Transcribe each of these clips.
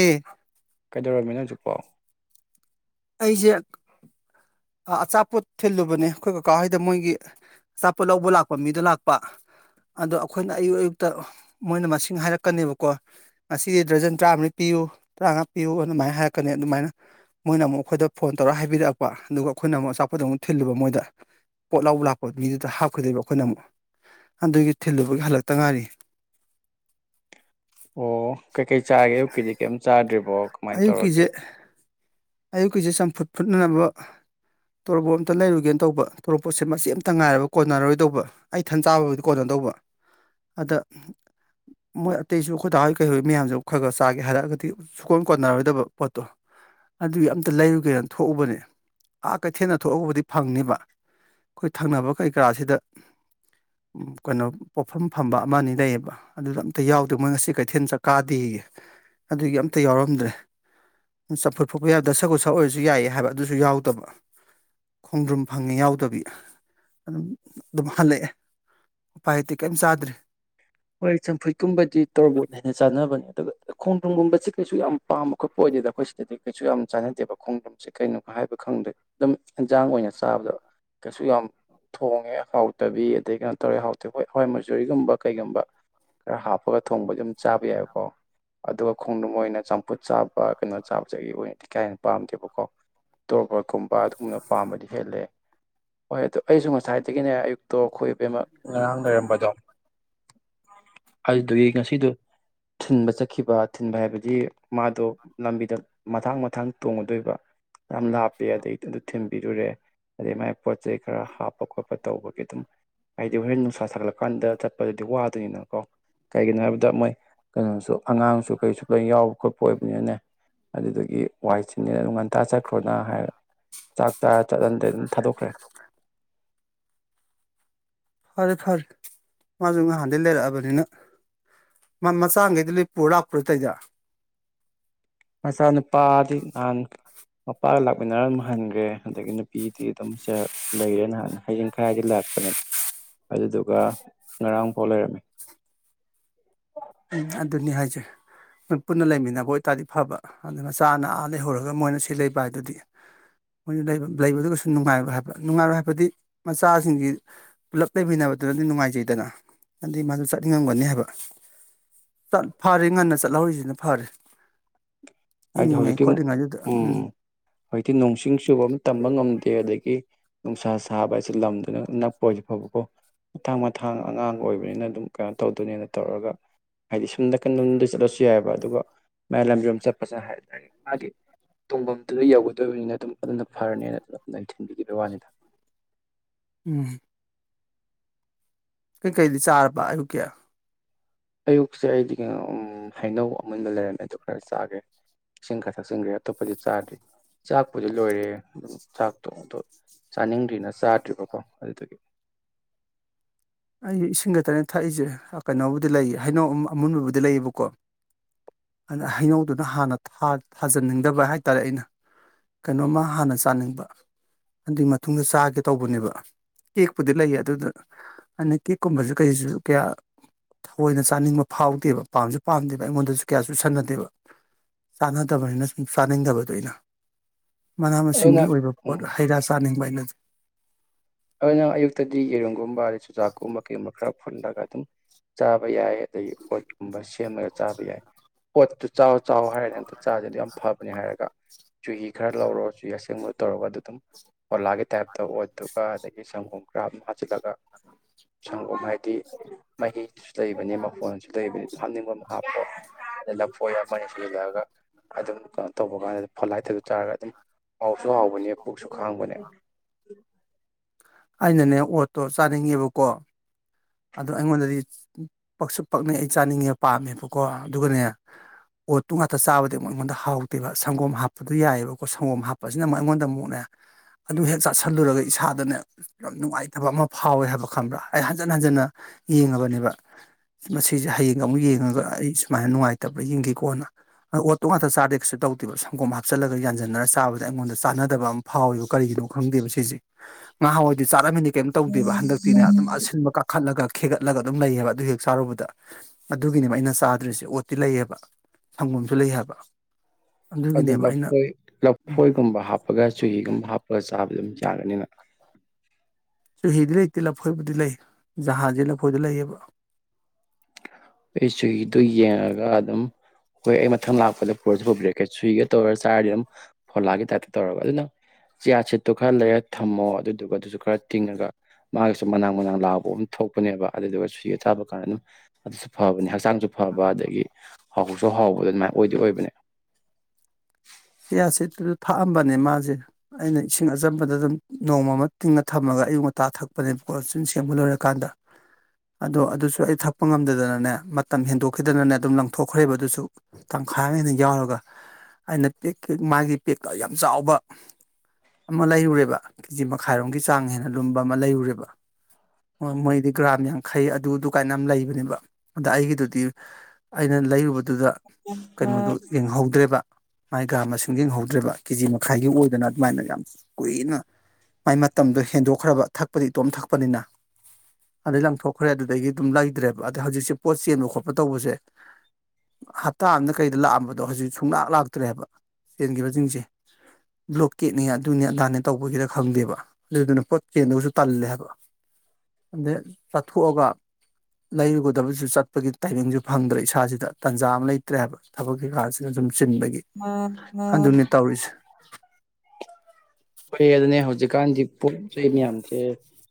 ꯑꯦ ꯀꯩꯗꯧꯔꯝꯃꯤꯅꯣ ꯍꯧꯖꯤꯛꯄꯣ ꯑꯩꯁꯦ ꯑꯆꯥꯄꯣꯠ ꯊꯤꯜꯂꯨꯕꯅꯦ ꯑꯩꯈꯣꯏ ꯀꯀꯥ ꯍꯣꯏꯗ ꯃꯣꯏꯒꯤ ꯑꯆꯥꯄꯣꯠ ꯂꯧꯕ ꯂꯥꯛꯄ ꯃꯤꯗꯣ ꯂꯥꯛꯄ ꯑꯗꯣ ꯑꯩꯈꯣꯏꯅ ꯑꯌꯨꯛ ꯑꯌꯨꯛꯇ ꯃꯣꯏꯅ ꯃꯁꯤꯡ ꯍꯥꯏꯔꯛꯀꯅꯦꯕꯀꯣ ꯉꯁꯤꯗꯤ ꯗꯔꯖꯟ ꯇꯔꯥꯃꯔꯤ ꯄꯤꯌꯨ ꯇꯔꯥꯉꯥ ꯄꯤꯌꯨ ꯑꯗꯨꯃꯥꯏ ꯍꯥꯏꯔꯛꯀꯅꯤ ꯑꯗꯨꯃꯥꯏꯅ ꯃꯣꯏꯅ ꯑꯃꯨꯛ ꯑꯩꯈꯣꯏꯗ ꯐꯣꯟ ꯇꯧꯔ ꯍꯥꯏꯕꯤꯔꯛꯄ ꯑꯗꯨꯒ ꯑꯩꯈꯣꯏꯅ ꯑꯃꯨꯛ ꯑꯆꯥꯄꯣꯠꯇꯣ ꯑꯃꯨꯛ ꯊꯤꯜꯂꯨꯕ ꯃꯣꯏꯗ ꯄꯣꯠ ꯂꯧꯕ ꯂꯥꯛꯄ ꯃꯤꯗꯨꯗ ꯍꯥꯞꯈꯤꯗꯣꯏꯕ ꯑꯩꯈꯣꯏꯅ ꯑꯃꯨꯛ ꯑꯗꯨꯒꯤ ꯊꯤꯜꯂꯨꯕꯒꯤ ꯍꯜꯂꯛꯇꯥ ꯉꯥꯏꯔꯤ ꯑꯣ ꯀꯩ ꯀꯩ ꯆꯥꯔꯥꯒꯦ ꯑꯌꯨꯛꯀꯤꯗꯤ ꯀꯩꯝ ꯆꯥꯗ꯭ꯔꯤꯕ ꯑꯌꯨꯛꯀꯤꯖꯦ ꯑꯌꯨꯛꯀꯤꯖꯦ ꯆꯝꯐꯨꯠ ꯐꯨꯠꯅꯅꯕ ꯇꯣꯔꯣꯕꯣꯠ ꯑꯝꯇꯥ ꯂꯩꯔꯨꯒꯦꯅ ꯇꯧꯕ ꯇꯣꯔꯣꯄꯣꯠꯁꯦ ꯃꯆꯦꯝꯇꯥ ꯉꯥꯏꯔꯕ ꯀꯣꯟꯅꯔꯣꯏꯗꯧꯕ ꯑꯩ ꯊꯟ ꯆꯥꯕꯑꯣꯏꯗꯤ ꯀꯣꯟꯗꯧꯕ ꯑꯗꯥ ꯃꯣꯏ ꯑꯇꯩꯁꯨ ꯑꯩꯈꯣꯏ ꯗꯥ ꯍꯣꯏ ꯀꯩꯍꯣꯏ ꯃꯌꯥꯝꯁꯨ ꯈꯥꯒꯥ ꯆꯥꯒꯦ ꯍꯥꯏꯔꯛꯑꯒꯗꯤ ꯁꯨꯀꯣꯟ ꯀꯣꯟꯅꯔꯣꯏꯗꯕ ꯄꯣꯠꯇꯣ ꯑꯗꯨꯒꯤ ꯑꯃꯇꯥ ꯂꯩꯔꯨꯒꯦꯅ ꯊꯣꯛꯎꯕꯅꯦ ꯑꯥ ꯀꯩꯊꯦꯟꯗ ꯊꯣꯛꯑꯥꯕꯨꯗꯤ ꯐꯪꯅꯤꯕ ꯑꯩꯈꯣꯏ ꯊꯪꯅꯕ ꯀꯩ ꯀꯥꯁꯤꯗ ꯎꯝ ꯀꯩꯅꯣ ꯄꯣꯛꯐꯝ ꯐꯝꯕ ꯑꯃꯥ ꯑꯅꯤ ꯂꯩꯌꯦꯕ ꯑꯗꯨꯗ ꯑꯝꯇꯥ ꯌꯥꯎꯗ ꯃꯣꯏ ꯉꯁꯤ ꯀꯩꯊꯦꯜ ꯆꯠ ꯀꯥꯗꯦꯌꯦ ꯑꯗꯨꯒꯤ ꯑꯝꯇꯥ ꯌꯥꯎꯔꯝꯗ꯭ꯔꯦ ꯆꯝꯐꯨꯠ ꯐꯨꯠꯄ ꯌꯥꯕ ꯗꯁꯥ ꯀꯨꯁꯥ ꯑꯣꯏꯔꯁꯨ ꯌꯥꯏꯌꯦ ꯍꯥꯏꯕ ꯑꯗꯨꯁꯨ ꯌꯥꯎꯗꯕ ꯈꯣꯡꯗ꯭ꯔꯨꯝ ꯐꯪꯉꯤ ꯌꯥꯎꯗꯕꯤ ꯑꯗꯨꯝ ꯑꯗꯨꯝ ꯍꯜꯂꯛꯑꯦ ꯎꯄꯥꯏ ꯂꯩꯇꯦ ꯀꯩꯝ ꯆꯥꯗ꯭ꯔꯤ ꯍꯣꯏ ꯆꯝꯐꯨꯠꯀꯨꯝꯕꯗꯤ ꯇꯣꯔꯣꯕꯣꯠꯅ ꯍꯦꯟꯅ ꯆꯥꯅꯕꯅꯦ ꯑꯗꯨꯒ ꯈꯣꯡꯗ꯭ꯔꯨꯝ ꯒꯨꯝꯕꯖꯦ ꯀꯩꯁꯨ ꯌꯥꯝ ꯄꯥꯝꯕ ꯈꯣꯠꯄ ꯑꯣꯏꯗꯦꯗ ꯑꯩꯈꯣꯏ ꯁꯤꯗꯗꯤ ꯀꯩꯁꯨ ꯌꯥꯝ ꯆꯥꯟꯅꯗꯦꯕ ꯈꯣꯡꯗ꯭ꯔꯨꯝ ꯁꯤ ꯀꯩꯅꯣ ꯍꯥꯏꯕ ꯈꯪꯗꯦ ꯑꯗꯨꯝ ꯑꯦꯟꯖꯥꯡ ꯑꯣꯏꯅ ꯆꯥꯕꯗ ꯀꯩꯁꯨ ꯌꯥꯝ ꯊꯣꯡꯉꯦ ꯍꯥꯎꯇꯕꯤ ꯑꯗꯩ ꯀꯩꯅꯣ ꯇꯧꯔꯦ ꯍꯥꯎꯇꯦ ꯍꯣꯏ ꯍꯋꯥꯏ ꯃꯖꯨꯔꯤꯒꯨꯝꯕ ꯀꯩꯒꯨꯝꯕ ꯈꯔꯥ ꯍꯥꯞꯄꯒ ꯊꯣꯡꯕꯗꯤ ꯑꯗꯨꯝ ꯆꯥꯕ ꯌꯥꯏꯕꯀꯣ ꯑꯗꯨꯒ ꯈꯣꯡꯗ꯭ꯔꯨꯝ ꯑꯣꯏꯅ ꯆꯝ ꯐꯨꯠ ꯆꯥꯕ ꯀꯩꯅꯣ ꯆꯥꯕꯁꯦ ꯑꯩꯒꯤ ꯑꯣꯏꯅꯗꯤ ꯀꯥ ꯍꯦꯟꯅ ꯄꯥꯝꯗꯦꯕꯀꯣ ꯇꯣꯔꯣꯕꯣꯠꯀꯨꯝꯕ ꯑꯗꯨꯒꯨꯝꯅ ꯄꯥꯝꯕꯗꯤ ꯍꯦꯜꯂꯦ ꯍꯣꯏ ꯑꯗꯨ ꯑꯩꯁꯨ ꯉꯁꯥꯏꯗꯒꯤꯅꯦ ꯑꯌꯨꯛꯇꯣ ꯑꯩꯈꯣꯏ ꯏꯕꯦꯝꯃꯥ ꯉꯔꯥꯡ ꯂꯩꯔꯝꯕꯗꯣ ꯑꯗꯨꯗꯨꯒꯤ ꯉꯁꯤꯗꯣ ꯊꯤꯟꯕ ꯆꯠꯈꯤꯕ ꯊꯤꯟꯕ ꯍꯥꯏꯕꯗꯤ ꯃꯥꯗꯣ ꯂꯝꯕꯤꯗ ꯃꯊꯥꯡ ꯃꯊꯥꯡ ꯇꯣꯡꯉꯨꯗꯣꯏꯕ ꯌꯥꯝ ꯂꯥꯞꯄꯦ ꯑꯗꯩꯗꯨꯗ ꯊꯤꯟꯕꯤꯔꯨꯔꯦ ꯑꯗꯩ ꯃꯥꯏ ꯄꯣꯠ ꯆꯩ ꯈꯔꯥ ꯍꯥꯞꯄ ꯈꯣꯠꯄ ꯇꯧꯕꯒꯤ ꯑꯗꯨꯝ ꯍꯥꯏꯗꯤ ꯍꯣꯔꯦꯟ ꯅꯨꯡꯁꯥ ꯁꯥꯒꯠꯂꯛꯀꯥꯟꯗ ꯆꯠꯄꯗꯨꯗꯤ ꯋꯥꯗꯣꯏꯅꯤꯅ ꯀꯣ ꯀꯩꯒꯤꯅꯣ ꯍꯥꯏꯕꯗ ꯃꯣꯏ ꯀꯩꯅꯣꯁꯨ ꯑꯉꯥꯡꯁꯨ ꯀꯩꯁꯨ ꯂꯣꯏ ꯌꯥꯎꯕ ꯈꯣꯠꯄ ꯑꯣꯏꯕꯅꯤꯅꯅꯦ ꯑꯗꯨꯗꯒꯤ ꯋꯥꯏꯆꯤꯟꯅꯦꯅ ꯑꯗꯨꯝ ꯉꯟꯇꯥ ꯆꯠꯈ꯭ꯔꯣꯅ ꯍꯥꯏꯔꯥ ꯆꯥꯛ ꯆꯥꯔ ꯆꯠꯂꯟꯗꯦ ꯑꯗꯨꯝ ꯊꯥꯗꯣꯛꯈ꯭ꯔꯦ ꯐꯔꯦ ꯐꯔꯦ ꯃꯥꯖꯨ ꯉꯍꯥꯟꯗꯩ ꯂꯩꯔꯛꯑꯕꯅꯤꯅ ꯃꯥ ꯃꯆꯥꯒꯩꯗꯣ ꯂꯣꯏ ꯄꯨꯨꯔꯥ ꯂꯥꯛꯄ꯭ꯔꯣ ꯇꯧꯏꯗꯣ ꯃꯆꯥ ꯅꯨꯨꯄꯥꯗꯤ ꯉꯍꯥꯟ ꯃꯄꯥꯒ ꯂꯥꯛꯃꯤꯟꯅꯔ ꯑꯗꯨꯝ ꯍꯟꯒ꯭ꯔꯦ ꯑꯗꯒꯤ ꯅꯨꯄꯤꯗꯤ ꯑꯗꯨꯝ ꯆꯥ ꯂꯩꯔꯦ ꯅ ꯍꯌꯦꯡ ꯈꯥꯏꯗꯤ ꯂꯥꯛꯄꯅꯦ ꯑꯗꯨꯗꯨꯒ ꯉꯔꯥꯡ ꯐꯥꯎ ꯂꯩꯔꯝꯃꯤ ꯎꯝ ꯑꯗꯨꯅꯤ ꯍꯥꯏꯖꯥꯦ ꯄꯨꯟꯅ ꯂꯩꯃꯤꯟꯅꯕ ꯑꯣꯏꯇꯥꯔꯗꯤ ꯐꯕ ꯑꯗꯨ ꯃꯆꯥꯅ ꯑ ꯂꯩꯍꯧꯔꯒ ꯃꯣꯏꯅ ꯁꯤ ꯂꯩꯕ ꯍꯥꯏꯗꯨꯗꯤ ꯃꯣꯏꯅ ꯂꯩꯕ ꯂꯩꯕꯗꯨ ꯒꯩꯁꯨ ꯅꯨꯡꯉꯥꯏꯔꯣꯏ ꯍꯥꯏꯕ ꯅꯨꯡꯉꯥꯏꯔꯣꯏ ꯍꯥꯏꯕꯗꯤ ꯃꯆꯥꯁꯤꯡꯒꯤ ꯄꯨꯜꯂꯞ ꯂꯩꯃꯤꯟꯅꯕꯗꯨꯅꯗꯤ ꯅꯨꯡꯉꯥꯏꯖꯩꯗꯅ ꯑꯗꯤ ꯃꯥꯁꯨ ꯆꯠꯅꯤꯡꯉꯝꯒꯅꯤ ꯍꯥꯏꯕ ꯇꯠ ꯐꯔꯦ ꯉꯟꯅ ꯆꯠꯍꯧꯔꯤꯁꯤꯅ ꯐꯔꯦ ꯍꯥꯏꯗꯤ ꯏꯪꯉꯤꯉꯩ ꯍꯧꯖꯤꯛꯇꯤ ꯈꯣꯠꯂꯤꯉꯩꯗꯨꯗ ꯎꯝ ꯍꯧꯖꯤꯛꯇꯤ ꯅꯣꯡꯁꯤꯡ ꯆꯨꯕ ꯑꯃ ꯇꯝꯕ ꯉꯝꯗꯦ ꯑꯗꯒꯤ ꯅꯨꯡꯁꯥ ꯁꯥꯕ ꯍꯥꯏꯁꯦ ꯂꯝꯗꯨꯅ ꯅꯛꯄ ꯍꯥꯏꯗꯤ ꯐꯕꯀꯣ ꯃꯊꯥꯡ ꯃꯊꯥꯡ ꯑꯉꯥꯡ ꯑꯣꯏꯕꯅꯤꯅ ꯑꯗꯨꯝ ꯀꯩꯅꯣ ꯇꯧꯗꯣꯏꯅꯦꯅ ꯇꯧꯔꯒ ꯍꯥꯏꯗꯤ ꯁꯨꯝ ꯅꯥꯀꯟꯂꯣꯝꯗ ꯆꯠꯂꯁꯨ ꯌꯥꯏꯑꯕ ꯑꯗꯨꯒ ꯃꯌꯤꯏ ꯂꯝꯕꯤꯔꯣꯝ ꯆꯠꯄꯁꯦ ꯍꯥꯏ ꯍꯥꯏ ꯍꯥꯏꯗꯤ ꯇꯣꯡꯕꯝꯗꯨꯗ ꯌꯧꯒꯗꯣꯏꯕꯅꯤꯅ ꯑꯗꯨꯝ ꯑꯗꯨꯅ ꯐꯔꯅꯦꯅ ꯑꯗꯥꯏ ꯊꯤꯟꯕꯤꯈꯤꯕꯩ ꯋꯥꯅꯦꯗ ꯎꯝ ꯀꯩ ꯀꯩꯗꯤ ꯆꯥꯔꯕ ꯑꯌꯨꯛꯀꯤ ꯑꯌꯨꯛꯁꯦ ꯑꯩꯗꯤ ꯀꯩꯅꯣ ꯎꯝ ꯍꯩꯅꯧ ꯑꯃꯨꯟꯕ ꯂꯩꯔꯝꯃꯦ ꯑꯗꯨ ꯈꯔ ꯆꯥꯒꯔꯦ ꯏꯁꯤꯡ ꯈꯔꯥ ꯊꯛꯆꯤꯟꯈꯔꯦ ꯑꯇꯣꯞꯄꯗꯤ ꯆꯥꯗꯔꯤ ꯆꯥꯛꯄꯨꯗꯤ ꯂꯣꯏꯔꯦ ꯑꯗꯨꯝ ꯆꯥꯛꯇꯣ ꯑꯗꯣ ꯆꯥꯅꯤꯡꯗ꯭ꯔꯤꯅ ꯆꯥꯗ꯭ꯔꯤꯕꯀꯣ ꯑꯗꯨꯒꯤ ꯑꯩ ꯏꯁꯤꯡꯒ ꯇꯅꯦ ꯊꯛꯏꯖꯦ ꯑ ꯀꯩꯅꯣꯕꯨꯗꯤ ꯂꯩ ꯍꯩꯅꯧ ꯑꯃꯨꯟꯕꯕꯨꯗꯤ ꯂꯩꯌꯦꯕꯀꯣ ꯑꯗ ꯍꯩꯅꯧꯗꯨꯅ ꯍꯥꯟꯅ ꯊꯥ ꯊꯥꯖꯟꯅꯤꯡꯗꯕ ꯍꯥꯏꯇꯥꯔꯦ ꯑꯩꯅ ꯀꯩꯅꯣꯝꯃ ꯍꯥꯟꯅ ꯆꯥꯅꯤꯡꯕ ꯑꯗꯨꯏ ꯃꯇꯨꯡꯗ ꯆꯥꯒꯦ ꯇꯧꯕꯅꯦꯕ ꯀꯦꯛꯄꯨꯗꯤ ꯂꯩꯌꯦ ꯑꯗꯨꯗ ꯑꯅ ꯀꯦꯛꯀꯨꯝꯕꯁꯨ ꯀꯩꯁꯨ ꯀꯌꯥ ꯊꯑꯣꯏꯅ ꯆꯥꯅꯤꯡꯕ ꯐꯥꯎꯗꯦꯕ ꯄꯥꯝꯁꯨ ꯄꯥꯝꯗꯦꯕ ꯑꯩꯉꯣꯟꯗꯁꯨ ꯀꯌꯥ ꯆꯨꯁꯟꯅꯗꯦꯕ ꯆꯥꯅꯗꯕꯅꯤꯅ ꯁꯨꯝ ꯆꯥꯅꯤꯡꯗꯕꯗꯣ ꯑꯩꯅ ꯃꯅꯥ ꯑꯗꯨꯅ ꯃꯁꯤꯡꯒꯤ ꯑꯣꯏꯕ ꯄꯣꯠ ꯎꯝ ꯍꯩ ꯔꯥ ꯆꯥꯅꯤꯡꯕ ꯑꯩꯅꯖꯨ ꯑꯗꯨ ꯅꯪ ꯑꯌꯨꯛꯇꯗꯤ ꯌꯦꯔꯨꯝꯒꯨꯝꯕ ꯑꯗꯩ ꯆꯨꯖꯥꯛꯀꯨꯝꯕ ꯀꯩꯒꯨꯝꯕ ꯈꯔ ꯐꯨꯜꯂꯒ ꯑꯗꯨꯝ ꯆꯥꯕ ꯌꯥꯏ ꯑꯗꯒꯤ ꯑꯣꯏꯀꯨꯝꯕ ꯁꯦꯝ ꯂꯩꯔ ꯆꯥꯕ ꯌꯥꯏ ꯄꯣꯠꯇꯨ ꯆꯥꯎ ꯆꯥꯎ ꯍꯥꯏꯔꯅꯦ ꯑꯝꯇ ꯆꯥꯗꯦ ꯑꯗꯨꯛꯌꯥꯝ ꯐꯕꯅꯦ ꯍꯥꯏꯔꯒ ꯆꯨꯍꯤ ꯈꯔ ꯂꯧꯔꯣ ꯆꯨꯍꯤ ꯑꯁꯦꯡꯕꯗꯨ ꯇꯧꯔꯒ ꯑꯗꯨ ꯑꯗꯨꯝ ꯑꯣꯂꯥꯒꯤ ꯇꯥꯏꯞꯇ ꯑꯣꯠꯇꯨꯒ ꯑꯗꯒꯤ ꯁꯪꯒꯣꯝ ꯀꯔꯥ ꯍꯥꯞ ꯍꯥꯞꯆꯤꯜꯂꯒ ꯁꯪꯒꯣꯝ ꯍꯥꯏꯗꯤ ꯃꯍꯤꯗꯁꯨ ꯂꯩꯕꯅꯤ ꯃꯐꯣꯟꯁꯨ ꯂꯩꯕꯅꯤ ꯑꯗꯨꯝ ꯍꯥꯞꯅꯤꯡꯕ ꯑꯃ ꯍꯥꯞꯄꯣ ꯑꯂꯛ ꯐꯣꯢ ꯑꯃ ꯍꯦꯛ ꯁꯤꯖꯤꯟꯂꯒ ꯑꯗꯨꯝ ꯀꯩꯅꯣ [unintelligible] ꯐꯣꯂꯥꯏ ꯇꯥꯏꯄꯇꯥ ꯆꯥꯔ ꯑꯗꯨꯝ ꯍꯥꯎꯁꯨ ꯍꯥꯎꯕꯅꯦ ꯄꯨꯛꯁꯨ ꯈꯥꯡꯕꯅꯦ ꯑꯩꯅꯅꯦ ꯑꯣꯠꯇꯣ ꯆꯥꯅꯤꯡꯉꯦꯕꯀꯣ ꯑꯗꯣ ꯑꯩꯉꯣꯟꯗꯗꯤ ꯄꯛꯁꯨ ꯄꯛꯅꯩ ꯑꯩ ꯆꯥꯅꯤꯡꯉꯦ ꯄꯥꯝꯃꯦꯕꯀꯣ ꯑꯗꯨꯒꯅꯦ ꯑꯣꯠꯇꯨ ꯉꯥꯛꯇ ꯆꯥꯕꯗꯤ ꯑꯃꯨꯛ ꯑꯩꯉꯣꯟꯗ ꯍꯥꯎꯇꯦꯕ ꯁꯪꯒꯣꯝ ꯍꯥꯞꯄꯗꯨ ꯌꯥꯏꯕꯀꯣ ꯁꯪꯒꯣꯝ ꯍꯥꯞꯄꯁꯤꯅ ꯑꯃꯨꯛ ꯑꯩꯉꯣꯟꯗ ꯑꯃꯨꯛꯅꯦ ꯑꯗꯨ ꯍꯦꯛ ꯆꯥꯥꯁꯜꯂꯨꯔꯒ ꯏꯁꯥꯗꯅꯦ ꯌꯥꯝ ꯅꯨꯡꯉꯥꯏꯇꯕ ꯑꯃ ꯐꯥꯎꯋꯦ ꯍꯥꯏꯕ ꯈꯪꯕ꯭ꯔꯥ ꯑꯩ ꯍꯟꯖꯟ ꯖꯟ ꯍꯟꯖꯟꯅ ꯌꯦꯡꯉꯕꯅꯦꯕ ꯃꯁꯤꯁꯦ ꯍꯌꯦꯡ ꯑꯃꯨꯛ ꯌꯦꯡꯉꯒ ꯑꯩ ꯁꯨꯃꯥꯏꯅ ꯅꯨꯡꯉꯥꯏꯇꯕ꯭ꯔꯥ ꯌꯦꯡꯒꯦꯀꯣꯅ ꯑꯥ ꯑꯣꯠꯇꯣ ꯉꯥꯛꯇ ꯆꯥꯗꯤ ꯀꯩꯁꯨ ꯇꯧꯗꯦꯕ ꯁꯪꯒꯣꯝ ꯍꯥꯞꯆꯜꯂꯒ ꯌꯥꯟꯖꯤꯟꯅꯔ ꯆꯥꯕꯗ ꯑꯩꯉꯣꯟꯗ ꯆꯥꯟꯅꯗꯕ ꯑꯃ ꯐꯥꯎꯋꯦꯕ ꯀꯔꯤꯒꯤꯅꯣ ꯈꯪꯗꯦꯕ ꯁꯤꯖꯦ ꯉꯥꯍꯥꯋꯥꯏꯗꯤ ꯆꯥꯔꯝꯃꯤꯅꯤ ꯀꯩꯝ ꯇꯧꯗꯦꯕ ꯍꯟꯗꯛꯇꯤꯅꯦ ꯑꯗꯨꯝ ꯑꯁꯤꯟꯕ ꯀꯥꯈꯠꯂꯒ ꯈꯦꯒꯠꯂꯒ ꯑꯗꯨꯝ ꯂꯩꯌꯦꯕ ꯑꯗꯨ ꯍꯦꯛ ꯆꯥꯔꯨꯕꯗ ꯑꯗꯨꯒꯤꯅꯦꯕ ꯑꯩꯅ ꯆꯥꯗ꯭ꯔꯤꯁꯦ ꯑꯣꯠꯇꯤ ꯂꯩꯌꯦꯕ ꯁꯪꯒꯣꯝꯁꯨ ꯂꯩ ꯍꯥꯏꯕ ꯑꯗꯨ ꯑꯗꯨꯒꯤꯅꯦꯕ ꯑꯩꯅ ꯂꯐꯣꯏ ꯎꯝ ꯂꯐꯣꯏꯒꯨꯝꯕ ꯍꯥꯞꯄꯒ ꯆꯨꯍꯤꯒꯨꯝꯕ ꯍꯥꯞꯄꯒ ꯆꯥꯕ ꯑꯗꯨꯝ ꯌꯥꯔꯅꯤꯅ ꯆꯨꯍꯤꯗꯤ ꯂꯩꯇꯦ ꯂꯐꯣꯏꯕꯨꯗꯤ ꯂꯩ ꯖꯍꯥꯥꯖꯤ ꯂꯐꯣꯏꯗꯨ ꯂꯩꯌꯦꯕ ꯑꯩ ꯆꯨꯍꯤꯗꯨ ꯌꯦꯡꯉꯒ ꯑꯗꯨꯝ ꯍꯣꯏ ꯑꯩ ꯃꯊꯪ ꯂꯥꯛꯄꯗ ꯄꯔꯖꯨ ꯄꯨꯕꯤꯔꯛꯀꯦ ꯆꯨꯏꯍꯤꯒ ꯇꯧꯔ ꯆꯥꯔꯗꯤ ꯑꯗꯨꯝ ꯐꯣꯂꯥꯒꯤ ꯇꯥꯏꯞꯇ ꯇꯧꯔꯒ ꯑꯗꯨ ꯅꯪ ꯆꯤꯌꯥ ꯁꯤꯠꯇꯣ ꯈꯔ ꯂꯩꯔ ꯊꯝꯃꯣ ꯑꯗꯨꯗꯨꯒ ꯑꯗꯨꯁꯨ ꯈꯔ ꯇꯤꯡꯉꯒ ꯃꯥꯒꯁꯨ ꯃꯅꯥꯟ ꯃꯅꯥꯟ ꯂꯥꯎꯕ ꯑꯃ ꯊꯣꯛꯄꯅꯦꯕ ꯑꯗꯨꯗꯨꯒ ꯆꯨꯏꯍꯤꯒ ꯆꯥꯕ ꯀꯥꯟꯗ ꯑꯗꯨꯝ ꯑꯗꯨꯁꯨ ꯐꯕꯅꯦ ꯍꯛꯆꯥꯡꯁꯨ ꯐꯕ ꯑꯗꯒꯤ ꯍꯥꯎꯁꯨ ꯍꯥꯎꯕꯗ ꯑꯗꯨꯃꯥꯏꯅ ꯑꯣꯏꯗꯤ ꯑꯣꯏꯕꯅꯦ ꯆꯤꯑꯥ ꯁꯤꯠꯇꯨꯁꯨ ꯊꯥꯛꯑꯝꯕꯅꯦ ꯃꯥꯁꯦ ꯑꯩꯅ ꯏꯁꯤꯡ ꯑꯆꯝꯕꯗ ꯑꯗꯨꯝ ꯅꯣꯡꯃ ꯑꯃ ꯇꯤꯡꯉ ꯊꯝꯃꯒ ꯑꯌꯨꯛ ꯉꯥꯟꯇꯥ ꯊꯛꯄꯅꯦꯕꯀꯣ ꯆꯤꯟ ꯁꯦꯝꯕ ꯂꯣꯏꯔ ꯀꯥꯟꯗ ꯑꯗꯣ ꯑꯗꯨꯁꯨ ꯑꯩ ꯊꯛꯄ ꯉꯝꯗꯗꯅꯅꯦ ꯃꯇꯝ ꯍꯦꯟꯗꯣꯛꯈꯤꯗꯅꯅꯦ ꯑꯗꯨꯝ ꯂꯪꯊꯣꯛꯈ꯭ꯔꯦꯕ ꯑꯗꯨꯁꯨ ꯇꯪꯈꯥꯏꯃ ꯍꯦꯟꯅ ꯌꯥꯎꯔꯒ ꯑꯩꯅ ꯄꯤꯛ ꯄꯤꯛ ꯃꯥꯒꯤ ꯄꯦꯛꯇ ꯌꯥꯝ ꯆꯥꯎꯕ ꯑꯃ ꯂꯩꯔꯨꯔꯦꯕ ꯀꯦꯖꯤ ꯃꯈꯥꯏꯔꯣꯝꯒꯤ ꯆꯥꯡ ꯍꯦꯟꯅ ꯂꯨꯝꯕ ꯑꯃ ꯂꯩꯔꯨꯔꯦꯕ ꯃꯣꯏ ꯃꯣꯏꯗꯤ ꯒ꯭ꯔꯥꯝ ꯌꯥꯡꯈꯩ ꯑꯗꯨ ꯑꯗꯨꯀꯥꯏꯅ ꯌꯥꯝ ꯂꯩꯕꯅꯦꯕ ꯑꯗ ꯑꯩꯒꯤꯗꯨꯗꯤ ꯑꯩꯅ ꯂꯩꯔꯨꯕꯗꯨꯗ ꯀꯩꯅꯣꯗꯨ ꯌꯦꯡꯍꯧꯗ꯭ꯔꯦꯕ ꯃꯥꯏ ꯒ꯭ꯔꯥꯝ ꯃꯁꯤꯡ ꯌꯦꯡꯍꯧꯗ꯭ꯔꯦꯕ ꯀꯦꯖꯤ ꯃꯈꯥꯏꯒꯤ ꯑꯣꯏꯗꯅ ꯑꯗꯨꯃꯥꯏꯅ ꯌꯥꯝ ꯀꯨꯏꯅ ꯃꯥꯏ ꯃꯇꯝꯗꯣ ꯍꯦꯟꯗꯣꯛꯈ꯭ꯔꯕ ꯊꯛꯄꯗꯤ ꯏꯇꯣꯝ ꯊꯛꯄꯅꯤꯅ ꯑꯗꯩ ꯂꯪꯊꯣꯛꯈ꯭ꯔꯦ ꯑꯗꯨꯗꯒꯤ ꯑꯗꯨꯝ ꯂꯩꯇꯗ꯭ꯔꯦꯕ ꯑꯗꯩ ꯍꯧꯖꯤꯛꯁꯦ ꯄꯣꯠ ꯆꯦꯟꯕ ꯈꯣꯠꯄ ꯇꯧꯕꯁꯦ ꯍꯞꯇꯥ ꯑꯃꯗ ꯀꯩꯗ ꯂꯥꯛꯑꯝꯕꯗꯣ ꯍꯧꯖꯤꯛ ꯁꯨꯡꯂꯥꯛ ꯂꯥꯛꯇ꯭ꯔꯦ ꯍꯥꯏꯕ ꯆꯦꯟꯈꯤꯕꯁꯤꯡꯁꯦ ꯕ꯭ꯂꯣꯀꯦꯠꯅꯦ ꯑꯗꯨꯅꯦ ꯑꯗꯥꯅꯦ ꯇꯧꯕꯒꯤꯔ ꯈꯪꯗꯦꯕ ꯑꯗꯨꯗꯨꯅ ꯄꯣꯠ ꯆꯦꯟꯗꯧꯁꯨ ꯇꯜꯂꯦ ꯍꯥꯏꯕ ꯑꯗꯩ ꯆꯥꯊꯣꯛꯑꯒ ꯂꯩꯔꯨꯒꯗꯕꯁꯨ ꯆꯠꯄꯒꯤ ꯇꯥꯏꯃꯤꯡꯁꯨ ꯐꯪꯗ꯭ꯔꯦ ꯏꯁꯥꯁꯤꯗ ꯇꯥꯟꯖꯥ ꯑꯃ ꯂꯩꯇ꯭ꯔꯦ ꯍꯥꯏꯕ ꯊꯕꯛ ꯀꯩꯀꯥꯁꯤꯅ ꯁꯨꯝ ꯆꯤꯟꯕꯒꯤ [inaudible] ꯑꯗꯨꯅꯦ ꯇꯧꯔꯤꯁꯦ ꯐꯦꯜꯅꯦ ꯍꯧꯖꯤꯛꯀꯥꯟꯗꯤ ꯄꯣꯠ ꯆꯩ ꯃꯌꯥꯝꯁꯦ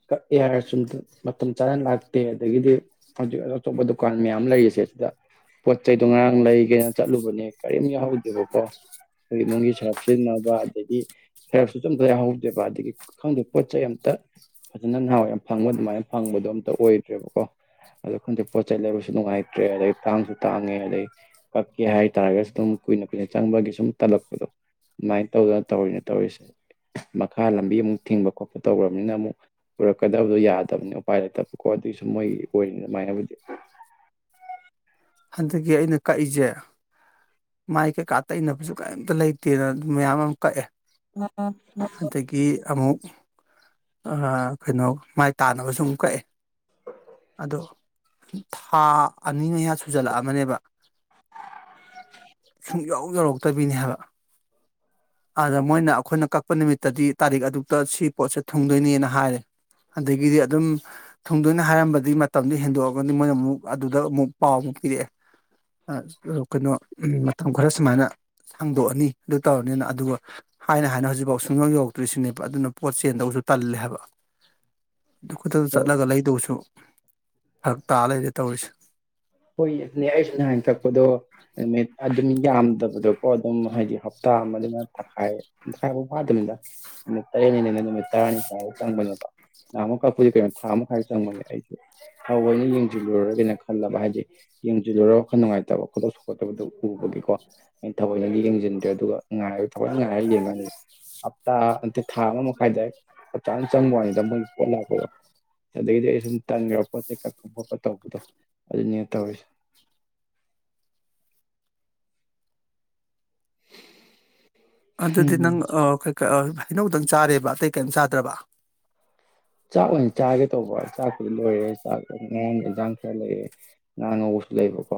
ꯀꯛꯑꯦ ꯍꯥꯏꯔꯁꯨ ꯁꯨꯝ ꯃꯇꯝ ꯆꯥꯅ ꯂꯥꯛꯇꯦ ꯑꯗꯒꯤꯗꯤ ꯍꯧꯖꯤꯛ ꯑꯗꯨ ꯑꯇꯣꯞꯄ ꯗꯨꯀꯥꯟ ꯃꯌꯥꯝ ꯂꯩꯔꯤꯁꯦ ꯑꯗꯨꯗ ꯄꯣꯠ ꯆꯩꯗꯣ ꯉꯔꯥꯡ ꯂꯩꯒꯦꯅ ꯆꯠꯂꯨꯕꯅꯦ ꯀꯔꯤꯝ ꯌꯥꯎꯍꯧꯗꯦꯕꯀꯣ ꯑꯩꯈꯣꯏ ꯏꯃꯨꯡꯒꯤ ꯁꯔꯞ ꯁꯤꯖꯤꯟꯅꯕ ꯑꯗꯒꯤ ꯁꯔꯞꯁꯨ ꯑꯝꯇ ꯌꯥꯍꯧꯗꯦꯕ ꯑꯗꯒꯤ ꯈꯪꯗꯦ ꯄꯣꯠ ꯆꯩ ꯑꯝꯇ ꯐꯖꯅ ꯅꯍꯥꯟꯋꯥꯏ ꯌꯥꯝ ꯐꯪꯕ ꯑꯗꯨꯃꯥꯏꯅ ꯐꯪꯕꯗꯣ ꯑꯝꯇ ꯑꯣꯏꯗ꯭ꯔꯦꯕꯀꯣ ꯑꯗꯣ ꯈꯪꯗꯦ ꯄꯣꯠ ꯆꯩ ꯂꯩꯕꯁꯨ ꯅꯨꯡꯉꯥꯏꯇ꯭ꯔꯦ ꯑꯗꯩ ꯇꯥꯡꯁꯨ ꯇꯥꯡꯉꯦ ꯑꯗꯩ ꯀꯛꯀꯦ ꯍꯥꯏꯇꯥꯥꯔꯒꯁꯨ ꯑꯗꯨꯝ ꯀꯨꯏꯅ ꯀꯨꯏꯅ ꯆꯪꯕꯒꯤ ꯁꯨꯝ ꯇꯟꯂꯛꯄꯗꯣ ꯑꯗꯨꯃꯥꯏꯅ ꯇꯧꯗꯅ ꯇꯧꯔꯤꯅ ꯇꯧꯔꯤꯁꯦ ꯃꯈꯥ ꯂꯝꯕꯤ ꯑꯃꯨꯛ ꯊꯤꯡꯕ ꯈꯣꯠꯄ ꯇꯧꯈ꯭ꯔꯕꯅꯤꯅ ꯑꯃꯨꯛ ꯄꯨꯔꯛꯀꯗꯕꯗꯣ ꯌꯥꯗꯕꯅꯤ ꯎꯄꯥꯏ ꯂꯩꯇꯕꯀꯣ ꯑꯗꯨꯒꯤꯁꯨ ꯃꯣꯏ ꯑꯣꯏꯔꯤꯅꯤ ꯑꯗꯨꯃꯥꯏꯅꯕꯨꯗꯤ ꯍꯟꯗꯛꯀꯤ ꯑꯩꯅ ꯀꯛꯏꯖꯦ ꯃꯥꯏ ꯀꯩꯀꯥ ꯇꯩꯅꯕꯁꯨ ꯀꯩꯝꯇ ꯂꯩꯇꯦꯅ ꯑꯗꯨ ꯃꯌꯥꯝ ꯑꯃ ꯀꯛꯑꯦ [unintelligible] ꯒꯤ ꯑꯃꯨꯛ ꯑꯥ ꯀꯩꯅꯣ ꯃꯥꯏ ꯇꯥꯅꯕꯁꯨ ꯑꯃꯨꯛ ꯀꯛꯑꯦ ꯑꯗꯣ ꯊꯥ ꯑꯅꯤ ꯃꯌꯥ ꯁꯨ ꯁꯨꯖꯤꯜꯂꯛꯑꯃꯅꯤꯕ ꯁꯨꯡꯌꯧ ꯌꯧꯔꯛꯇꯕꯤꯅꯦ ꯍꯥꯏꯕ ꯑꯗ ꯃꯣꯏꯅ ꯑꯩꯈꯣꯏꯅ ꯀꯛꯄ ꯅꯨꯃꯤꯠꯇꯗꯤ ꯇꯥꯔꯤꯛ ꯑꯗꯨꯛꯇ ꯁꯤ ꯄꯣꯠꯁꯦ ꯊꯨꯡꯗꯣꯏꯅꯦꯅ ꯍꯥꯏꯔꯦ ꯑꯗꯒꯤꯗꯤ ꯑꯗꯨꯝ ꯊꯨꯡꯗꯣꯏꯅꯦ ꯍꯥꯏꯔꯝꯕꯗꯒꯤ ꯃꯇꯝꯗꯨ ꯍꯦꯟꯗꯣꯛꯑꯒꯗꯤ ꯃꯣꯏꯅ ꯑꯃꯨꯛ ꯑꯗꯨꯗ ꯑꯃꯨꯛ ꯄꯥꯎ ꯑꯃꯨꯛ ꯄꯤꯔꯛꯑꯦ ꯀꯩꯅꯣ ꯃꯇꯝ ꯈꯔ ꯁꯨꯃꯥꯏꯅ ꯁꯥꯡꯗꯣꯛꯑꯅꯤ ꯑꯗꯨ ꯇꯧꯔꯅꯤꯅ ꯑꯗꯨꯒ ꯍꯥꯏꯅ ꯍꯥꯏꯅ ꯍꯧꯖꯤꯛꯐꯥꯎ ꯁꯨꯡꯌꯧ ꯌꯧꯔꯛꯇ꯭ꯔꯤꯁꯤꯅꯦꯕ ꯑꯗꯨꯅ ꯄꯣꯠ ꯆꯦꯟꯗꯧꯁꯨ ꯇꯜꯂꯦ ꯍꯥꯏꯕ ꯑꯗꯨ ꯈꯨꯛꯇꯛꯇ ꯆꯠꯂꯒ ꯂꯩꯗꯧꯁꯨ ꯐꯔꯛ ꯇꯥ ꯂꯩꯔꯦ ꯇꯧꯔꯤꯁꯦ ꯍꯣꯏꯅꯦ ꯑꯩꯁꯨ ꯅꯍꯥꯟ ꯀꯛꯄꯗꯣ ꯅꯨꯃꯤꯠ ꯑꯗꯨꯝ ꯌꯥꯝꯗꯕꯗꯀꯣ ꯑꯗꯨꯝ ꯍꯥꯏꯗꯤ ꯍꯞꯇꯥ ꯑꯃꯗꯨꯅ ꯊꯥꯈꯥꯏ ꯥꯇꯪꯈꯥꯏ ꯐꯥꯎ ꯐꯥꯗꯕꯅꯤꯗ ꯅꯨꯃꯤꯠ ꯇꯔꯦꯠꯅꯤꯅ ꯅꯨꯃꯤꯠ ꯇꯔꯥꯅꯤ ꯐꯥꯎꯕꯥ ꯆꯪꯕꯅꯦꯕ ꯅꯍꯥꯃꯨꯛ ꯀꯛꯄꯁꯦ ꯀꯩꯅꯣ ꯊꯥ ꯑꯃ ꯃꯈꯥꯏ ꯆꯪꯕꯅꯦ ꯑꯩꯁꯦ ꯊꯧꯑꯣꯏꯅ ꯌꯦꯡꯁꯤꯜꯂꯨꯔꯒꯦꯅ ꯈꯜꯂꯕ ꯍꯥꯏ ꯌꯦꯡꯁꯤꯜꯂꯨꯔꯒ ꯈꯔ ꯅꯨꯡꯉꯥꯏꯇꯕ ꯈꯣꯏꯗꯧ ꯁꯥꯎꯒꯠꯇꯕꯗꯨ ꯎꯕꯒꯤꯀꯣ ꯑꯩ ꯊꯑꯣꯏꯅꯗꯤ ꯌꯦꯡꯁꯤꯟꯗ꯭ꯔꯦ ꯑꯗꯨꯒ ꯉꯥꯏꯔ ꯊꯋꯣꯏꯅ ꯉꯥꯏꯔ ꯌꯦꯡꯉꯅꯤ ꯍꯞꯇꯥ ꯅꯠꯇꯦ ꯊꯥ ꯑꯃ ꯃꯈꯥꯏ ꯗꯥꯏꯔꯦꯛ ꯆꯞ ꯆꯥꯅ ꯆꯪꯕ ꯋꯥꯅꯤꯗ ꯃꯣꯏ ꯄꯣꯠ ꯂꯥꯛꯄꯗꯣ ꯑꯗꯒꯤꯗꯤ ꯑꯩ ꯁꯨꯝ ꯇꯟꯈ꯭ꯔꯕ ꯄꯣꯠ ꯆꯩ ꯀꯛꯄ ꯈꯣꯠꯄ ꯇꯧꯕꯗꯣ ꯑꯗꯨꯅꯦ ꯇꯧꯔꯤꯁꯦ ꯑꯗꯨꯗꯤ ꯎꯝ ꯅꯪ ꯑ ꯀꯩ ꯀ ꯍꯩꯅꯧꯗꯪ ꯆꯥꯔꯦꯕ ꯑꯇꯩ ꯀꯦꯝ ꯆꯥꯗ꯭ꯔꯕ ꯆꯥꯛ ꯑꯣꯏꯅ ꯆꯥꯒꯦ ꯇꯧꯕ ꯆꯥꯛꯄꯨꯗꯤ ꯂꯣꯏꯔꯦ ꯆꯥꯛ ꯉꯔꯥꯡꯒꯤ ꯏꯟꯖꯥꯡ ꯈꯔ ꯂꯩꯌꯦ ꯉꯥꯥ ꯉꯧꯕꯁꯨ ꯂꯩꯕꯀꯣ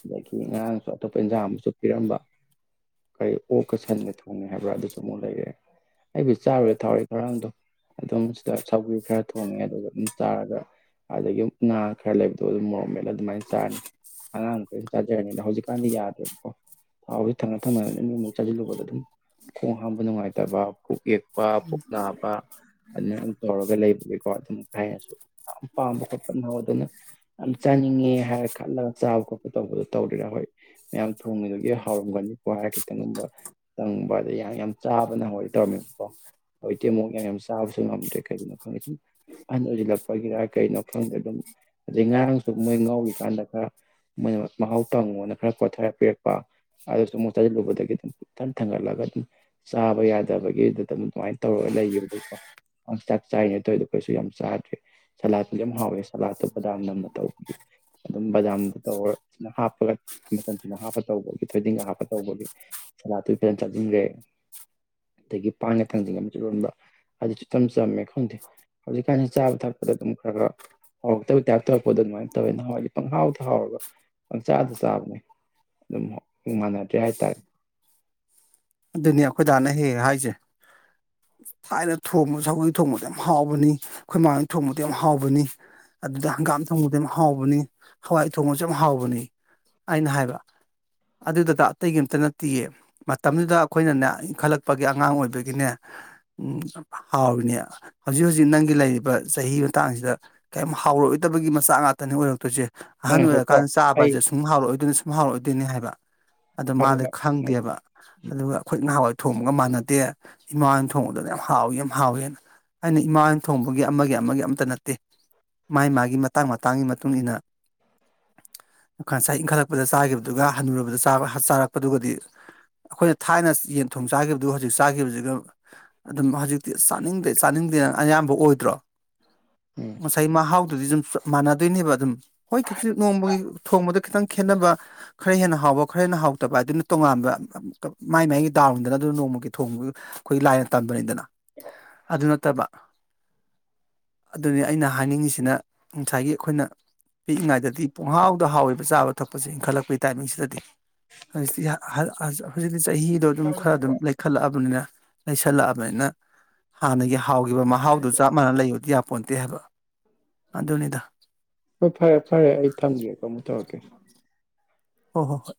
ꯑꯗꯒꯤ ꯉꯔꯥꯡꯁꯨ ꯑꯇꯣꯞꯄ ꯏꯟꯖꯥꯡ ꯑꯃꯁꯨ ꯄꯤꯔꯝꯕ ꯀꯔꯤ ꯑꯣꯛꯀ ꯁꯟꯒ ꯊꯣꯡꯉꯦ ꯍꯥꯏꯕ꯭ꯔꯥ ꯑꯗꯨꯁꯨ ꯑꯃꯨꯛ ꯂꯩꯔꯦ ꯑꯩꯕꯨ ꯆꯥꯔꯨꯔꯦ ꯊꯥꯔꯣꯏ ꯈꯔꯥ ꯑꯝꯗꯨꯝ ꯑꯗꯨꯝ ꯁꯧꯒ꯭ꯔꯤ ꯈꯔ ꯊꯣꯡꯉꯦ ꯑꯗꯨꯒ ꯑꯗꯨꯝ ꯆꯥꯔꯒ ꯑꯗꯒꯤ ꯉꯥ ꯈꯔ ꯂꯩꯕꯗꯣ ꯑꯗꯨ ꯃꯣꯔꯣꯛ ꯃꯦꯠꯂ ꯑꯗꯨꯃꯥꯏꯅ ꯆꯥꯔꯅꯤ ꯑꯉꯥꯡ ꯈꯣꯏꯅ ꯆꯥꯖꯔꯅꯤ ꯍꯧꯖꯤꯛꯀꯥꯟꯗꯤ ꯌꯥꯗ꯭ꯔꯦꯕꯀꯣ ꯊꯥꯎꯁꯦ ꯊꯪꯅ ꯊꯪꯅ ꯅꯦ ꯑꯅꯤꯃꯛ ꯆꯥꯖꯤꯜꯂꯨꯕꯗ ꯑꯗꯨꯝ ꯈꯣꯡ ꯍꯥꯝꯕ ꯅꯨꯡꯉꯥꯏꯇꯕ ꯄꯨꯛ ꯌꯦꯛꯄ ꯄꯨꯛ ꯅꯥꯕ ꯑꯗꯨꯅ ꯇꯧꯔꯒ ꯂꯩꯕꯒꯤꯀꯣ ꯑꯗꯨꯝ ꯍꯥꯏꯅꯁꯨ ꯌꯥꯝ ꯄꯥꯝꯕ ꯈꯣꯠꯄ ꯅꯥꯍꯋꯥꯏꯗꯧꯅ ꯌꯥꯝ ꯆꯥꯅꯤꯡꯉꯦ ꯍꯥꯏꯔ ꯈꯜꯂꯒ ꯆꯥꯕ ꯈꯣꯠꯄ ꯇꯧꯕꯗꯣ ꯇꯧꯗꯔꯦꯗ ꯑꯈꯣꯏ ꯃꯌꯥꯝ ꯊꯣꯡꯃꯤꯕꯥꯒꯤ ꯍꯥꯎꯔꯝꯒꯅꯤꯀꯣ ꯍꯥꯏꯔ ꯈꯤꯇꯪꯒꯨꯝꯕ ꯇꯪꯕ ꯑꯗ ꯌꯥꯝ ꯌꯥꯝ ꯆꯥꯕ ꯅꯍꯥꯋꯥꯏ ꯇꯧꯔꯝꯃꯦꯕꯀꯣ ꯍꯧꯖꯤꯛꯇꯤ ꯃꯨꯛ ꯌꯥꯝ ꯌꯥꯝ ꯆꯥꯕꯁꯨ ꯉꯝꯗ꯭ꯔꯦ ꯀꯩꯒꯤꯅꯣ ꯈꯪꯗꯦ ꯁꯨꯝ ꯑꯍꯟ ꯑꯣꯏꯖꯤꯜꯂꯛꯄꯒꯤꯔꯥ ꯀꯩꯅꯣ ꯈꯪꯗꯦ ꯑꯗꯨꯝ ꯑꯗꯩ ꯉꯔꯥꯡꯁꯨ ꯃꯣꯏ ꯉꯥꯎꯔꯤꯀꯥꯟꯗ ꯈꯔ ꯃꯣꯏꯅ ꯃꯍꯥꯎ ꯇꯪꯉꯣꯅ ꯈꯔ ꯀꯣꯊꯔ ꯄꯤꯔꯛꯄ ꯑꯗꯨ ꯁꯨꯃꯨꯛ ꯆꯥꯖꯤꯜꯂꯨꯕꯗꯒꯤ ꯑꯗꯨꯝ ꯄꯨꯛ ꯏꯊꯟ ꯊꯟꯒꯠꯂꯒ ꯆꯥꯕ ꯌꯥꯗꯕꯒꯤꯗꯨ ꯑꯗꯨ ꯑꯗꯨꯃꯥꯏꯅ ꯇꯧꯔꯒ ꯂꯩꯒꯤꯕꯒꯤꯀꯣ ꯆꯥꯛ ꯆꯥꯏꯔꯤꯅꯦ ꯇꯧꯔꯤꯗꯣ ꯇꯧꯢꯗꯣ ꯀꯩꯁꯨ ꯌꯥꯝ ꯆꯥꯗ꯭ꯔꯦ ꯁꯂꯥꯠꯄꯨꯗꯤ ꯌꯥꯝ ꯍꯥꯎꯋꯦ ꯁꯥꯂꯥꯠꯇꯣ ꯕꯗꯥꯝ ꯅꯝꯅ ꯇꯧꯕꯒꯤ ꯑꯗꯨꯝ ꯕꯗꯥꯝꯗꯣ ꯇꯧꯔꯒ ꯍꯥꯞꯄꯒ ꯃꯆꯜ ꯁꯨꯅ ꯍꯥꯞꯄ ꯇꯧꯕꯒꯤ ꯊꯣꯏꯗꯤꯡꯒ ꯍꯥꯞꯄ ꯇꯧꯕꯒꯤ ꯁꯂꯥꯠꯇꯨ ꯏꯇꯣꯟ ꯆꯥꯁꯤꯟꯒ꯭ꯔꯦ ꯑꯗꯒꯤ ꯄꯥꯟꯒ ꯊꯥꯡꯖꯤꯡꯒ ꯑꯃꯖꯤ ꯂꯣꯟꯕ ꯑꯗꯨ ꯏꯆꯝ ꯆꯝꯃꯦ ꯈꯪꯗꯦ ꯍꯧꯖꯤꯛꯀꯥꯟꯁꯤ ꯆꯥꯕ ꯊꯛꯄꯗ ꯑꯗꯨꯝ ꯈꯔ ꯈꯔ ꯍꯥꯎꯔꯛꯇꯕꯩ ꯇꯥꯏꯞ ꯇꯔꯛꯄꯗꯣ ꯑꯗꯨꯃꯥꯏꯅ ꯇꯧꯋꯦ ꯅꯍꯥꯟꯋꯥꯏꯗꯤ ꯄꯪꯍꯥꯎꯗ ꯍꯥꯎꯔꯒ ꯄꯪꯆꯥꯗ ꯆꯥꯕꯅꯦ ꯑꯗꯨꯝ ꯃꯥꯟꯅꯗ꯭ꯔꯦ ꯍꯥꯏꯇꯥꯔꯦ ꯑꯗꯨꯅꯤ ꯑꯩꯈꯣꯏ ꯗꯥ ꯅ ꯍꯦꯛ ꯍꯦꯛ ꯍꯥꯏꯁꯦ ꯊꯥꯏꯅ ꯊꯣꯡꯕ ꯁꯧꯒꯤ ꯊꯣꯡꯕꯗ ꯌꯥꯝ ꯍꯥꯎꯕꯅꯤ ꯑꯈꯣꯏꯃꯥꯍꯣꯏꯟ ꯊꯣꯡꯕꯗꯤ ꯌꯥꯝ ꯍꯥꯎꯕꯅꯤ꯫ ꯑꯗꯨꯗ ꯍꯪꯒꯥꯝ ꯊꯣꯡꯕꯗꯤ ꯌꯥꯝ ꯍꯥꯎꯕꯅꯤ ꯍꯋꯥꯏ ꯊꯣꯡꯕꯖꯨ ꯌꯥꯝ ꯍꯥꯎꯕꯅꯤ꯫ ꯑꯩꯅ ꯍꯥꯏꯕ ꯑꯗꯨ ꯗꯥꯗꯥ ꯑꯇꯩꯒꯤꯑꯝꯇ ꯅꯠꯇꯤꯌꯦ ꯃꯇꯝꯗꯨꯗ_ _ ꯈꯣꯏꯅꯅꯦ ꯏꯟꯈꯠꯂꯛꯄꯒꯤ ꯑꯉꯥꯡ ꯑꯣꯏꯕꯒꯤꯅꯦ ꯎꯝ ꯍꯥꯎꯔꯤꯅꯦ꯫ ꯍꯧꯖꯤꯛ ꯍꯧꯖꯤꯛ ꯅꯪꯒꯤ ꯂꯩꯔꯤꯕ ꯆꯍꯤ ꯃꯇꯥꯡꯖꯤꯗ ꯀꯩꯝ ꯍꯥꯎꯔꯛꯑꯣꯏꯗꯕꯒꯤ ꯃꯆꯥꯛ ꯉꯥꯛꯇꯅꯤ ꯑꯣꯏꯔꯛꯇꯣꯏꯖꯦ꯫ ꯑꯍꯅ ꯉꯥꯏꯈꯣꯀꯣ ꯑꯣꯏꯔꯀꯥꯟ ꯑꯩ ꯆꯥꯕꯖꯦ ꯁꯨ_ _ ꯁꯨꯝ ꯍꯥꯎꯔꯛꯑꯣꯏꯗꯣꯏꯅꯤ ꯁꯨꯝ ꯍꯥꯎꯔꯛꯑꯣꯏꯗꯣꯏꯅꯤ ꯍꯥꯏꯕ ꯑꯗꯣ ꯃꯥꯗꯤ ꯈꯪꯗꯦꯕ꯫ ꯑꯗꯨꯒ ꯑꯈꯣꯏ ꯅꯍꯥꯋꯥꯏ ꯊꯣꯡꯕꯒ ꯃꯥꯅꯗꯦ ꯏꯃꯥꯍꯣꯏꯅ ꯊꯣꯡꯕꯗꯨꯅ ꯌꯥꯝ ꯍꯥꯎꯋꯤ ꯌꯥꯝ ꯍꯥꯎꯋꯦꯅ꯫ ꯑꯩꯅ ꯏꯃꯥꯍꯣꯏꯟ ꯊꯣꯡꯕꯒꯤ ꯑꯃꯒꯤ ꯑꯃꯒꯤ ꯑꯝꯇ ꯅꯠꯇꯦ ꯃꯥꯥꯏ ꯃꯥꯒꯤ ꯃꯇꯥꯡ ꯃꯇꯥꯡꯒꯤ ꯃꯇꯨꯡ ꯏꯟꯅ_ _ [unintelligible] ꯏꯪꯈꯠꯂꯛꯄꯗ ꯆꯥꯒꯤꯕꯗꯨꯒ ꯍꯅꯨꯔꯕꯗ ꯆꯥꯕ ꯆꯥꯔꯛꯄꯗꯨꯒꯗꯤ_ _ ꯑꯈꯣꯏꯅ ꯊꯥꯏꯅ ꯌꯦꯟ ꯊꯣꯡ ꯆꯥꯒꯤꯕꯗꯨꯒ ꯍꯧꯖꯤꯛ ꯆꯥꯒꯤꯕꯖꯤꯒ_ _ ꯑꯗꯨꯝ ꯍꯖꯤꯛꯇꯤ ꯆꯥꯅꯤꯡꯗꯦ ꯆꯥꯅꯤꯡꯗꯦꯅ ꯑꯌꯥꯝꯕ ꯑꯣꯏꯗ꯭ꯔꯣ꯫ ꯎꯝ ꯉꯁꯥꯏ ꯃꯍꯥꯎꯗꯨꯗꯤ ꯗꯨꯝ ꯆꯄ ꯃꯥꯟꯅꯗꯣꯏꯅꯦꯕ ꯑꯗꯨꯝ꯫ ꯍꯣꯏ ꯈꯤꯖꯤꯛ ꯅꯣꯡꯃꯒꯤ ꯊꯣꯡꯕꯗ ꯈꯤꯇꯪ_ _ ꯈꯦꯠꯅꯕ ꯈꯔ ꯍꯦꯟꯅ ꯍꯥꯎꯕ ꯈꯔ ꯍꯦꯟꯅ ꯍꯥꯎꯇꯕ ꯍꯏꯗꯨꯅ ꯇꯣꯉꯥꯟꯕ ꯑ__ ꯀꯄ ꯃꯥꯏ ꯃꯥꯏꯒꯤ ꯗꯥꯎꯅꯤꯗꯅ ꯑꯗꯨ ꯅꯣꯡꯃꯒꯤ ꯊꯣꯡꯕꯗꯨ ꯈꯣꯏꯒꯤ ꯂꯥꯏꯅ ꯇꯝꯕꯅꯤꯗꯅ꯫ ꯑꯗꯨ ꯅꯠꯇꯕ_ _ ꯑꯗꯨꯅꯤ ꯑꯩꯅ ꯍꯥꯏꯅꯤꯡꯉꯤꯁꯤꯅ ꯉꯁꯥꯏꯒꯤ ꯑꯈꯣꯏꯅ_ _ ꯄꯤꯛꯏꯉꯩꯗꯗꯤ ꯄꯨꯡꯍꯥꯎꯗ ꯍꯥꯎꯋꯦꯕ ꯆꯥꯕ ꯊꯛꯄꯁꯦ ꯏꯟꯈꯠꯂꯛꯄꯩ ꯇꯥꯏꯃꯤꯡꯁꯤꯗꯗꯤ꯫ [unintelligible] ꯍꯨꯖꯤꯛꯇꯤ ꯆꯍꯤꯗꯣ ꯑꯗꯨꯝ ꯈꯔ ꯑꯗꯨꯝ ꯂꯩꯈꯠꯂꯛꯑꯕꯅꯤꯅ ꯂꯩꯁꯜꯂꯛꯑꯕꯅꯤꯅ_ _ ꯍꯥꯟꯅꯒꯤ ꯍꯥꯎꯒꯤꯕ ꯃꯍꯥꯎꯗꯨ ꯆꯞ ꯃꯥꯟꯅ ꯂꯩꯌꯨꯗꯤ ꯌꯥꯄꯣꯟꯇꯦ ꯍꯥꯏꯕ ꯑꯗꯨꯅꯤꯗ꯫ ꯍꯣꯏ ꯐꯔꯦ ꯐꯔꯦ ꯑꯩ ꯊꯝꯒꯦꯀꯣ ꯀꯃꯨꯛ ꯇꯧꯔꯛꯀꯦ꯫ ꯍꯣ- ꯍꯣ- ꯍꯣꯏ꯫